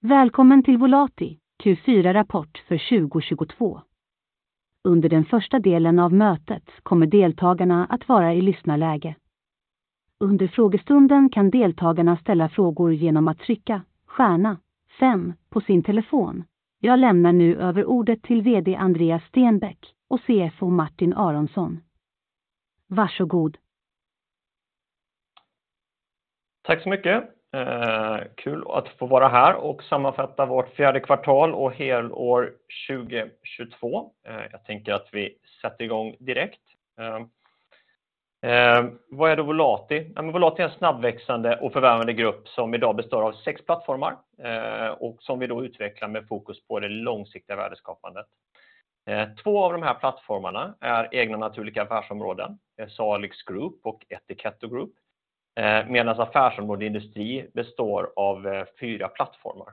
Välkommen till Volati Q4-rapport för 2022. Under den första delen av mötet kommer deltagarna att vara i lyssnarläge. Under frågestunden kan deltagarna ställa frågor igenom att trycka stjärna fem på sin telefon. Jag lämnar nu över ordet till VD Andreas Stenbäck och CFO Martin Aronsson. Varsågod. Tack så mycket. Kul att få vara här och sammanfatta vårt fourth quarter och helår 2022. Jag tänker att vi sätter i gång direkt. Vad är då Volati? Volati är en snabbväxande och förvärvande grupp som i dag består av sex plattformar och som vi då utvecklar med fokus på det långsiktiga värdeskapandet. Två av de här plattformarna är egna naturliga affärsområden, Salix Group och Ettiketto Group. Medans affärsområde Industri består av fyra plattformar.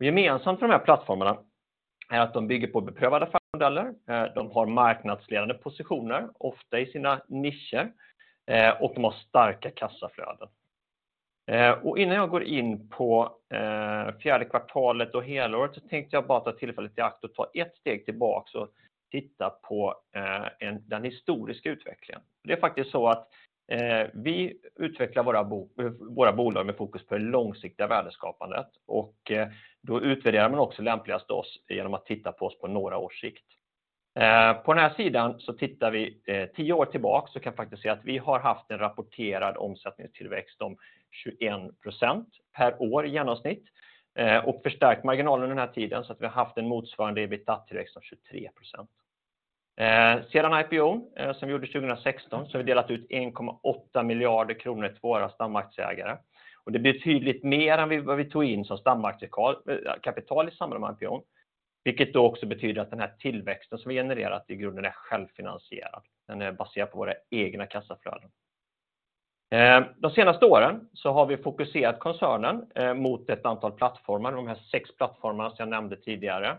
Gemensamt för de här plattformarna är att de bygger på beprövade affärsmodeller. De har marknadsledande positioner, ofta i sina nischer, och de har starka kassaflöden. Innan jag går in på fourth quarter och helåret så tänkte jag bara ta tillfället i akt och ta ett steg tillbaks och titta på den historiska utvecklingen. Det är faktiskt så att vi utvecklar våra Våra bolag med fokus på det långsiktiga värdeskapandet och då utvärderar man också lämpligast oss igenom att titta på oss på några års sikt. På den här sidan så tittar vi 10 år tillbaks och kan faktiskt se att vi har haft en rapporterad omsättningstillväxt om 21% per år i genomsnitt och förstärkt marginalen den här tiden så att vi haft en motsvarande EBITA-tillväxt om 23%. Sedan IPO:n som vi gjorde 2016 så har vi delat ut 1.8 miljarder SEK till våra stamaktieägare. Det blir tydligt mer än vi, vad vi tog in som stamaktiekapital i samband med IPO:n, vilket då också betyder att den här tillväxten som vi genererat i grunden är självfinansierad. Den är baserad på våra egna kassaflöden. De senaste åren har vi fokuserat koncernen mot ett antal plattformar, de här sex plattformarna som jag nämnde tidigare.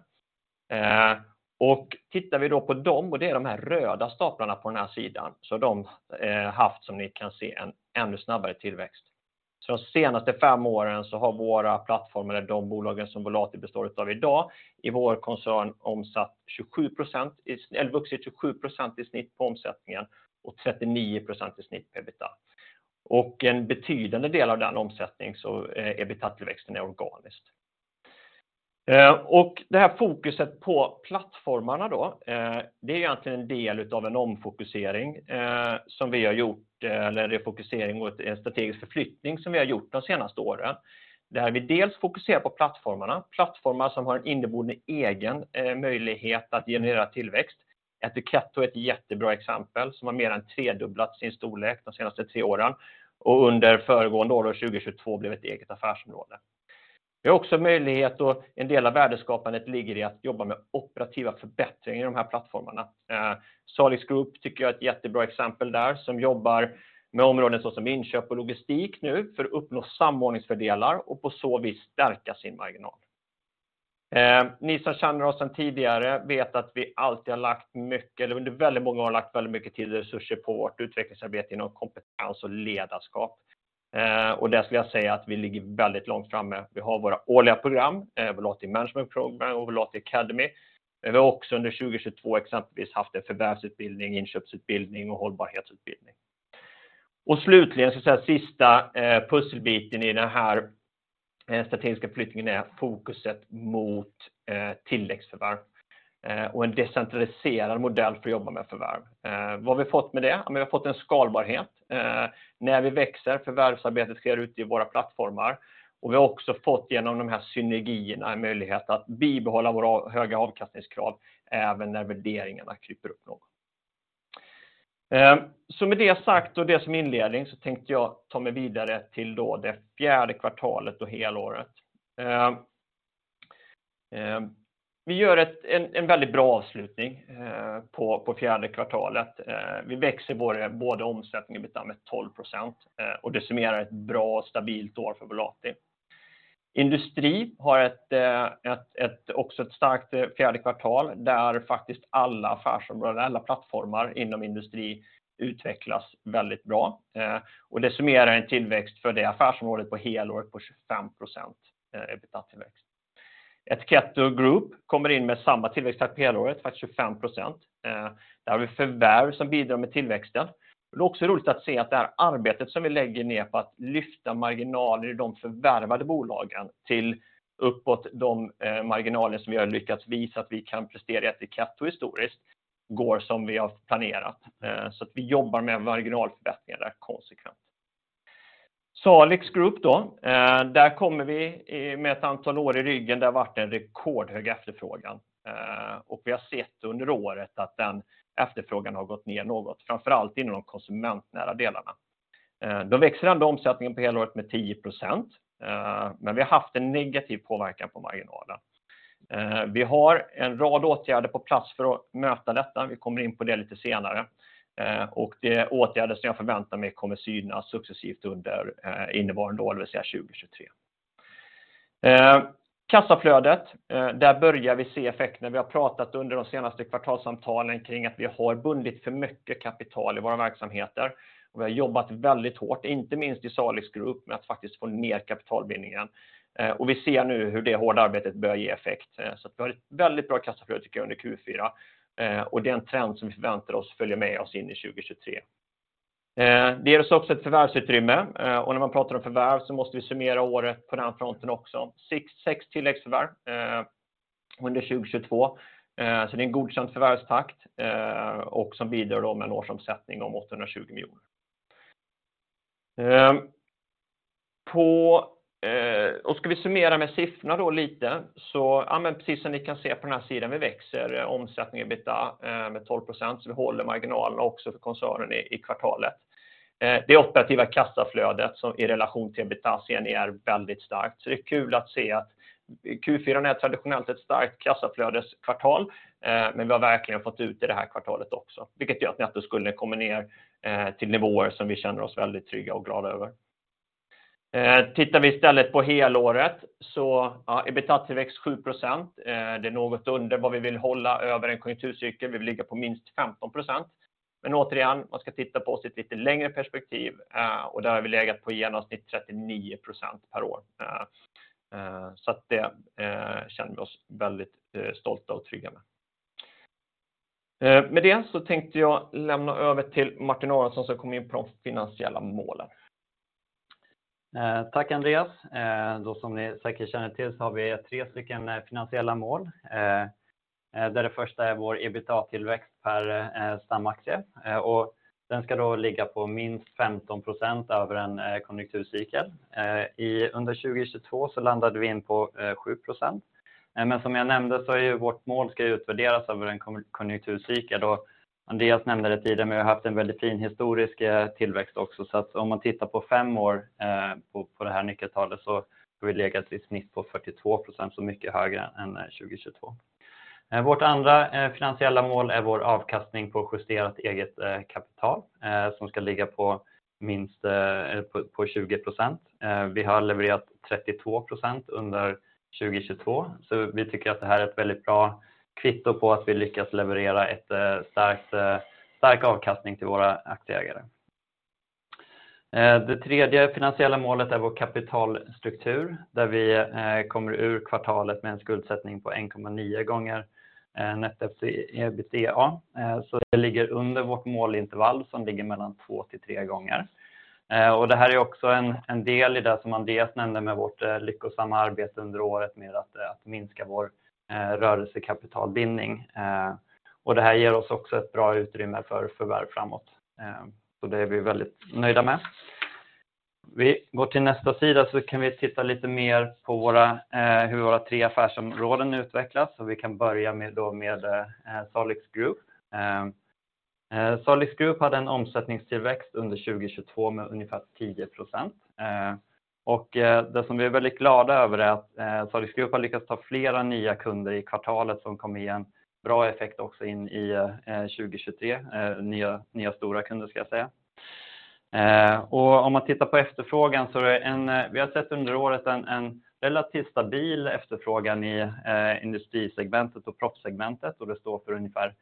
Tittar vi då på dem och det är de här röda staplarna på den här sidan. De har haft, som ni kan se, en ännu snabbare tillväxt. De senaste fem åren har våra plattformar eller de bolagen som Volati består utav i dag i vår koncern omsatt 27%, eller vuxit 27% i snitt på omsättningen och 39% i snitt på EBITA. En betydande del av den omsättnings-, EBITA-tillväxten är organiskt. Det här fokuset på plattformarna då, det är egentligen en del utav en omfokusering som vi har gjort. Eller det är fokusering och en strategisk förflyttning som vi har gjort de senaste åren. Där vi dels fokuserar på plattformarna. Plattformar som har en inneboende egen möjlighet att generera tillväxt. Ettiketto är ett jättebra exempel som har mer än tredubblat sin storlek de senaste 3 åren och under föregående år 2022 blev ett eget affärsområde. Vi har också möjlighet och en del av värdeskapandet ligger i att jobba med operativa förbättringar i de här plattformarna. Salix Group tycker jag är ett jättebra exempel där som jobbar med områden så som inköp och logistik nu för att uppnå samordningsfördelar och på så vis stärka sin marginal. Ni som känner oss sedan tidigare vet att vi alltid har lagt mycket, eller under väldigt många år lagt väldigt mycket tid och resurser på vårt utvecklingsarbete inom kompetens och ledarskap. Där skulle jag säga att vi ligger väldigt långt framme. Vi har våra årliga program, Volati Management Program och Volati Academy. Vi har också under 2022 exempelvis haft en förvärvsutbildning, inköpsutbildning och hållbarhetsutbildning. Slutligen ska jag säga sista pusselbiten i den här strategiska förflyttningen är fokuset mot tilläggsförvärv och en decentraliserad modell för att jobba med förvärv. Vad vi fått med det? Vi har fått en skalbarhet. När vi växer, förvärvsarbetet sker ute i våra plattformar och vi har också fått igenom de här synergierna en möjlighet att bibehålla våra höga avkastningskrav även när värderingarna kryper upp något. Med det sagt och det som inledning så tänkte jag ta mig vidare till då det fjärde kvartalet och helåret. Vi gör en väldigt bra avslutning på fjärde kvartalet. Vi växer vår både omsättning och EBITA med 12%, och det summerar ett bra och stabilt år för Volati. Industri har ett starkt fjärde kvartal, där faktiskt alla affärsområden, alla plattformar inom Industri utvecklas väldigt bra. Det summerar en tillväxt för det affärsområdet på helåret på 25%, EBITA-tillväxt. Ettiketto Group kommer in med samma tillväxttakt helåret, faktiskt 25%. Där har we förvärv som bidrar med tillväxten. Det är också roligt att se att det här arbetet som vi lägger ner på att lyfta marginaler i de förvärvade bolagen till uppåt de marginaler som vi har lyckats visa att vi kan prestera i Ettiketto historiskt går som vi har planerat. Vi jobbar med marginalförbättringar där konsekvent. Salix Group då. Där kommer vi med ett antal år i ryggen. Det har varit en rekordhög efterfrågan, och vi har sett under året att den efterfrågan har gått ner något, framför allt inom de konsumentnära delarna. Då växer ändå omsättningen på helåret med 10%. Vi har haft en negativ påverkan på marginalen. Vi har en rad åtgärder på plats för att möta detta. Vi kommer in på det lite senare. Det är åtgärder som jag förväntar mig kommer synas successivt under innevarande år, det vill säga 2023. Kassaflödet, där börjar vi se effekter. Vi har pratat under de senaste kvartalssamtalen kring att vi har bundit för mycket kapital i våra verksamheter. Vi har jobbat väldigt hårt, inte minst i Salix Group, med att faktiskt få ner kapitalbindningen. Vi ser nu hur det hårda arbetet börjar ge effekt. Vi har ett väldigt bra kassaflöde tycker jag under Q4. Det är en trend som vi förväntar oss följer med oss in i 2023. Det ger oss också ett förvärvsutrymme. När man pratar om förvärv måste vi summera året på den fronten också. Sex tilläggsförvärv under 2022. Det är en godkänd förvärvstakt och som bidrar då med en årsomsättning om SEK 820 million. Ska vi summera med siffrorna då lite. Ja men precis som ni kan se på den här sidan, vi växer omsättningen EBITDA med 12%. Vi håller marginalen också för koncernen i kvartalet. Det operativa kassaflödet som i relation till EBITDA ser ni är väldigt starkt. Det är kul att se att Q4 är traditionellt ett starkt kassaflödeskvartal, men vi har verkligen fått ut det det här kvartalet också, vilket gör att Nettoskulden kommer ner till nivåer som vi känner oss väldigt trygga och glada över. Tittar vi istället på helåret, ja, EBITDA-tillväxt 7%. Det är något under vad vi vill hålla över en konjunkturcykel. Vi vill ligga på minst 15%. Återigen, man ska titta på oss i ett lite längre perspektiv och där har vi legat på i genomsnitt 39% per år. Det känner vi oss väldigt stolta och trygga med. Med det tänkte jag lämna över till Martin Aronsson som kommer in på de finansiella målen. Tack Andreas. Som ni säkert känner till så har vi 3 stycken finansiella mål. Där det första är vår EBITDA-tillväxt per stamaktie. Den ska då ligga på minst 15% över en konjunkturcykel. Under 2022 landade vi in på 7%. Som jag nämnde är ju vårt mål ska utvärderas över en konjunkturcykel. Andreas nämnde det tidigare, vi har haft en väldigt fin historisk tillväxt också. Om man tittar på 5 år på det här nyckeltalet har vi legat i snitt på 42%, mycket högre än 2022. Vårt andra finansiella mål är vår avkastning på justerat eget kapital, som ska ligga på minst, eller på 20%. Vi har levererat 32% under 2022. Vi tycker att det här är ett väldigt bra kvitto på att vi lyckats leverera ett stark avkastning till våra aktieägare. Det tredje finansiella målet är vår kapitalstruktur, där vi kommer ur kvartalet med en skuldsättning på 1.9 gånger Nettoskuld/EBITDA. Det ligger under vårt målintervall som ligger mellan 2-3 gånger. Det här är också en del i det som Andreas nämnde med vårt lyckosamma arbete under året med att minska vår rörelsekapitalbindning. Det här ger oss också ett bra utrymme för förvärv framåt. Det är vi väldigt nöjda med. Vi går till nästa sida så kan vi titta lite mer på hur våra tre affärsområden utvecklas. Vi kan börja med Salix Group. Salix Group hade en omsättningstillväxt under 2022 med ungefär 10%. Det som vi är väldigt glada över är att Salix Group har lyckats ta flera nya kunder i kvartalet som kommer ge en bra effekt också in i 2023. Nya stora kunder ska jag säga. Om man tittar på efterfrågan så är det Vi har sett under året en relativt stabil efterfrågan i industrisegmentet och proffssegmentet och det står för ungefär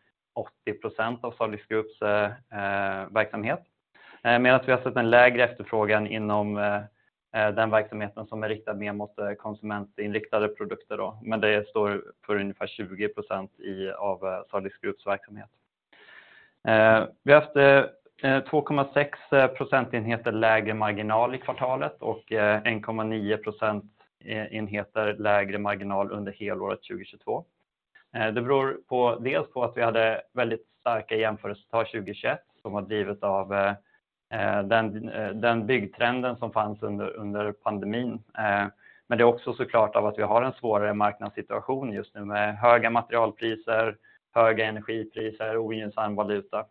80% av Salix Groups verksamhet. Medans vi har sett en lägre efterfrågan inom den verksamheten som är riktad mer mot konsumentinriktade produkter då. Det står för ungefär 20% av Salix Groups verksamhet. Vi har haft 2.6 procentenheter lägre marginal i kvartalet och 1.9 procentenheter lägre marginal under helåret 2022. Det beror på, dels på att vi hade väldigt starka jämförelser 2021 som var drivet av den byggtrenden som fanns under pandemin. Det är också så klart av att vi har en svårare marknadssituation just nu med höga materialpriser, höga energipriser, ogynnsam valuta.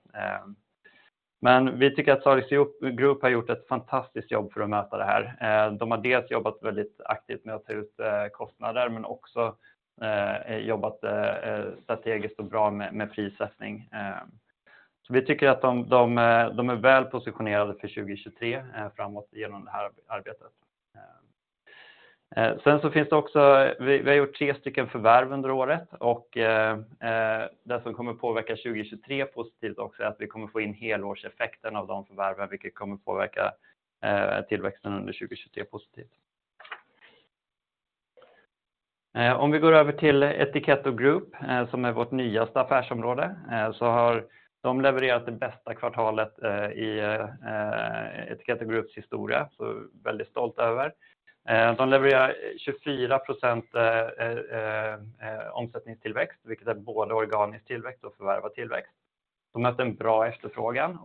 Vi tycker att Salix Group har gjort ett fantastiskt jobb för att möta det här. De har dels jobbat väldigt aktivt med att ta ut kostnader, men också jobbat strategiskt och bra med prissättning. Vi tycker att de är väl positionerade för 2023 framåt igenom det här arbetet. Vi har gjort 3 stycken förvärv under året och det som kommer påverka 2023 positivt också är att vi kommer få in helårseffekten av de förvärven, vilket kommer påverka tillväxten under 2023 positivt. Vi går över till Ettiketto Group, som är vårt nyaste affärsområde, de har levererat det bästa kvartalet i Ettiketto Groups historia. Väldigt stolta över. De levererar 24% omsättningstillväxt, vilket är både organisk tillväxt och förvärvad tillväxt. De har mött en bra efterfrågan.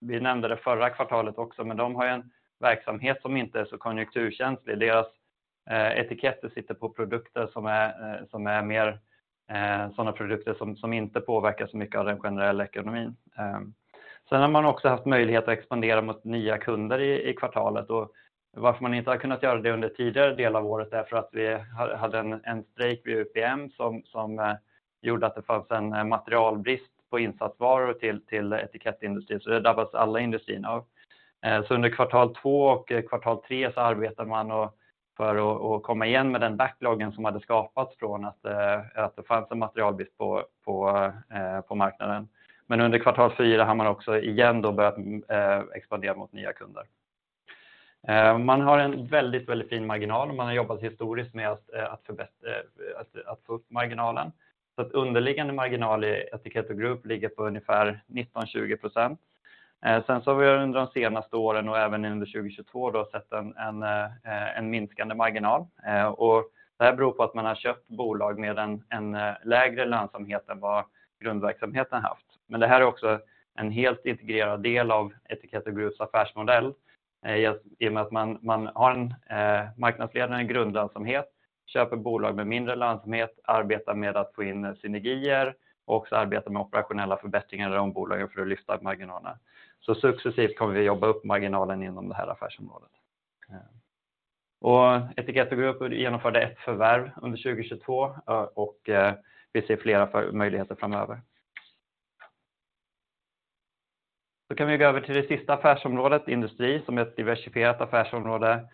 Vi nämnde det förra kvartalet också, de har ju en verksamhet som inte är så konjunkturkänslig. Deras etiketter sitter på produkter som är, som är mer sådana produkter som inte påverkas så mycket av den generella ekonomin. Har man också haft möjlighet att expandera mot nya kunder i kvartalet. Varför man inte har kunnat göra det under tidigare del av året är för att vi hade en strejk vid UPM som gjorde att det fanns en materialbrist på insatsvaror till etikettindustrin. Det har drabbats alla industrin av. Under Q2 och Q3 så arbetar man för att, för att komma igen med den backloggen som hade skapats från att det fanns en materialbrist på marknaden. Under Q4 har man också igen då börjat expandera mot nya kunder. Man har en väldigt fin marginal. Man har jobbat historiskt med att få upp marginalen. Underliggande marginal i Ettiketto Group ligger på ungefär 19%-20%. Vi har under de senaste åren och även under 2022 då sett en minskande marginal. Det här beror på att man har köpt bolag med en lägre lönsamhet än vad grundverksamheten haft. Det här är också en helt integrerad del av Ettiketto Group affärsmodell. I och med att man har en marknadsledande grundlönsamhet, köper bolag med mindre lönsamhet, arbetar med att få in synergier, också arbetar med operationella förbättringar i de bolagen för att lyfta marginalerna. Successivt kommer vi jobba upp marginalen inom det här affärsområdet. Ettiketto Group genomförde ett förvärv under 2022 och vi ser flera möjligheter framöver. Kan vi gå över till det sista affärsområdet, Industri, som är ett diversifierat affärsområde,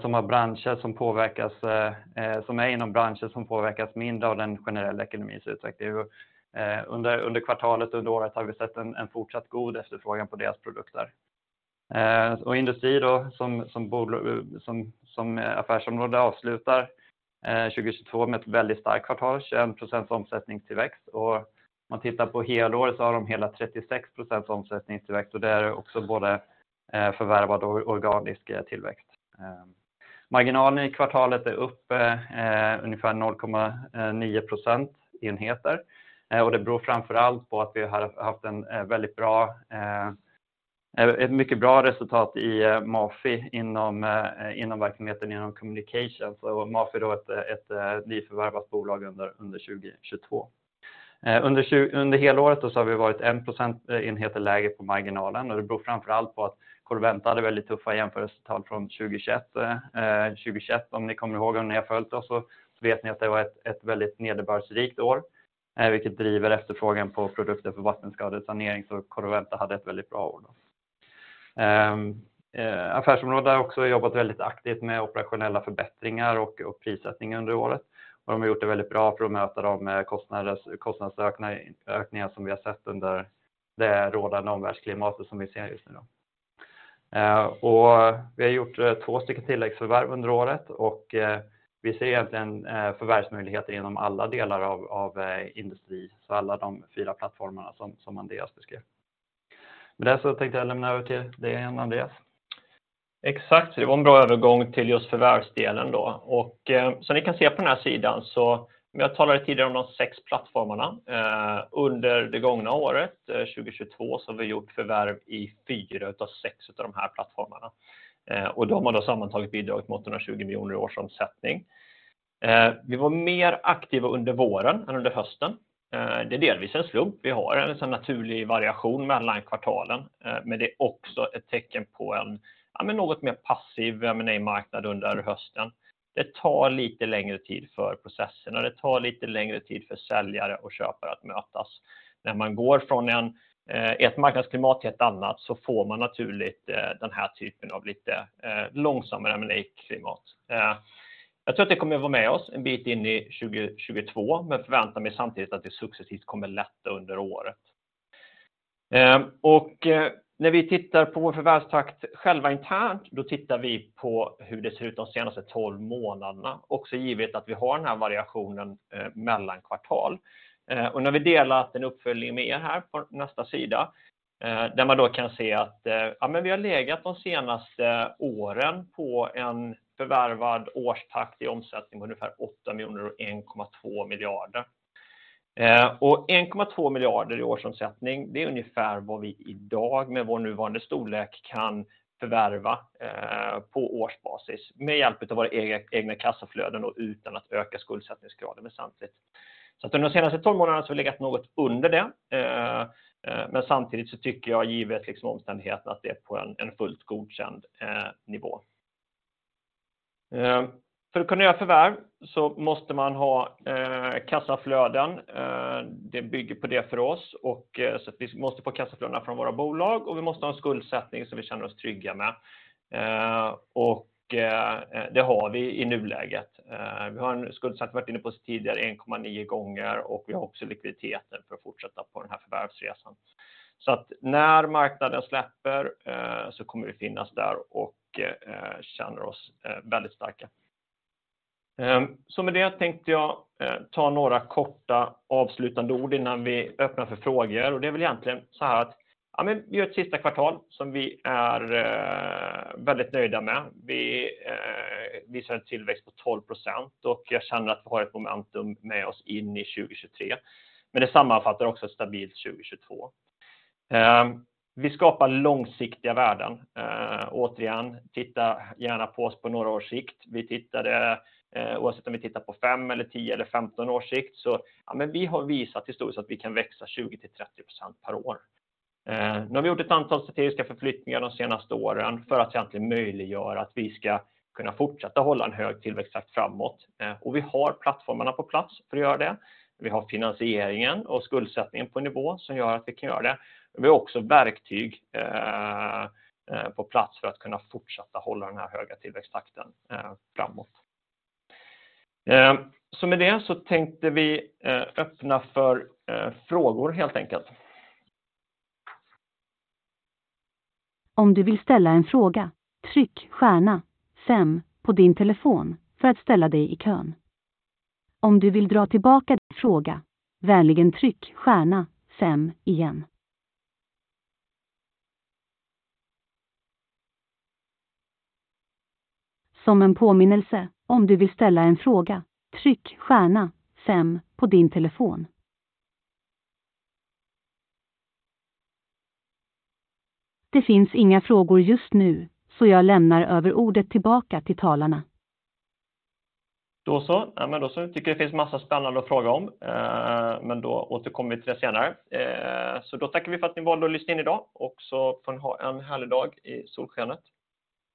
som har branscher som påverkas, som är inom branscher som påverkas mindre av den generella ekonomins utveckling. Under kvartalet och under året har vi sett en fortsatt god efterfrågan på deras produkter. Industri då som affärsområde avslutar 2022 med ett väldigt starkt kvartal, 21% omsättningstillväxt. Man tittar på helåret så har de hela 36% omsättningstillväxt och det är också både förvärvad och organisk tillväxt. Marginalen i kvartalet är upp ungefär 0.9 percentage points. Det beror framför allt på att vi har haft en väldigt bra, ett mycket bra resultat i MAFI inom verksamheten, inom Communication. MAFI är då ett nyförvärvat bolag under 2022. Under helåret då så har vi varit 1 percentage point lägre på marginalen och det beror framför allt på att Corroventa hade väldigt tuffa jämförelsetal från 2021. 2021, om ni kommer ihåg om ni har följt oss, så vet ni att det var ett väldigt nederbördsrikt år, vilket driver efterfrågan på produkter för vattenskadesanering. Corroventa hade ett väldigt bra år då. Affärsområdet har också jobbat väldigt aktivt med operationella förbättringar och prissättning under året. De har gjort det väldigt bra för att möta de kostnader, kostnadsökningar som vi har sett under det rådande omvärldsklimatet som vi ser just nu då. Vi har gjort 2 tilläggsförvärv under året och vi ser egentligen förvärvsmöjligheter inom alla delar av Industri. Alla de 4 plattformarna som Andreas beskrev. Med det så tänkte jag lämna över till dig igen, Andreas. Exakt. Det var en bra övergång till just förvärvsdelen då. Som ni kan se på den här sidan så, jag talade tidigare om de 6 plattformarna. Under det gångna året, 2022, så har vi gjort förvärv i 4 utav 6 av de här plattformarna. De har då sammantaget bidragit med SEK 820 miljoner i årsomsättning. Vi var mer aktiva under våren än under hösten. Det är delvis en slump. Vi har en sån naturlig variation mellan kvartalen, men det är också ett tecken på en, ja men något mer passiv M&A-marknad under hösten. Det tar lite längre tid för processen och det tar lite längre tid för säljare och köpare att mötas. När man går från ett marknadsklimat till ett annat så får man naturligt den här typen av lite långsammare M&A-klimat. Jag tror att det kommer vara med oss en bit in i 2022, men förväntar mig samtidigt att det successivt kommer lätta under året. När vi tittar på vår förvärvstakt själva internt, då tittar vi på hur det ser ut de senaste 12 månaderna. Också givet att vi har den här variationen mellan kvartal. När vi delat en uppföljning med er här på nästa sida, där man då kan se att, ja men vi har legat de senaste åren på en förvärvad årstakt i omsättning på ungefär SEK 8 million and SEK 1.2 billion. SEK 1.2 billion i årsomsättning, det är ungefär vad vi i dag med vår nuvarande storlek kan förvärva på årsbasis med hjälp utav våra egna kassaflöden då utan att öka skuldsättningsgraden väsentligt. Under de senaste 12 månaderna så har vi legat något under det. Men samtidigt så tycker jag givet omständigheten att det är på en fullt godkänd nivå. För att kunna göra förvärv så måste man ha kassaflöden. Det bygger på det för oss. Vi måste få kassaflöden från våra bolag och vi måste ha en skuldsättning som vi känner oss trygga med. Och det har vi i nuläget. Vi har en skuldsättning, vi har varit inne på det tidigare, 1.9x och vi har också likviditeten för att fortsätta på den här förvärvsresan. När marknaden släpper så kommer vi finnas där och känner oss väldigt starka. Med det tänkte jag ta några korta avslutande ord innan vi öppnar för frågor. Det är väl egentligen såhär att vi gör ett sista kvartal som vi är väldigt nöjda med. Vi visar en tillväxt på 12%. jag känner att vi har ett momentum med oss in i 2023. Det sammanfattar också ett stabilt 2022. Vi skapar långsiktiga värden. Återigen, titta gärna på oss på några års sikt. Vi tittade, oavsett om vi tittar på fem eller 10 eller 15 års sikt, ja men vi har visat historiskt att vi kan växa 20%-30% per år. Vi har gjort ett antal strategiska förflyttningar de senaste åren för att egentligen möjliggöra att vi ska kunna fortsätta hålla en hög tillväxttakt framåt. Vi har plattformarna på plats för att göra det. Vi har finansieringen och skuldsättningen på en nivå som gör att vi kan göra det. Vi har också verktyg på plats för att kunna fortsätta hålla den här höga tillväxttakten framåt. Med det så tänkte vi öppna för frågor helt enkelt. Om du vill ställa en fråga, tryck stjärna fem på din telefon för att ställa dig i kön. Om du vill dra tillbaka din fråga, vänligen tryck stjärna fem igen. Som en påminnelse, om du vill ställa en fråga, tryck stjärna fem på din telefon. Det finns inga frågor just nu, så jag lämnar över ordet tillbaka till talarna. Då så. Ja men då så tycker jag det finns massa spännande att fråga om. Men då återkommer vi till det senare. Så då tackar vi för att ni valde att lyssna in i dag och så får ni ha en härlig dag i solskenet.